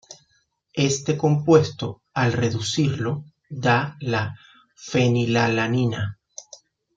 Este compuesto al reducirlo da la fenilalanina.